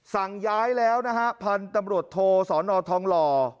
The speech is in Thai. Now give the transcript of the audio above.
สั่งย้ายแล้วนะฮะพันธุ์ตำรวจโทสอนอทองหล่อ